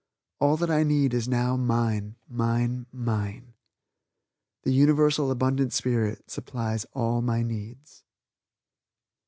All that I need is now mine, mine, mine." The Universal Abundant Spirit supplies all my needs.